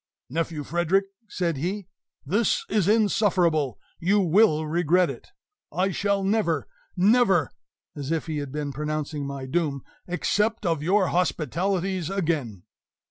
"Nephew Frederick," said he, "this is insufferable; you will regret it! I shall never NEVER" (as if he had been pronouncing my doom) "accept of your hospitalities again!"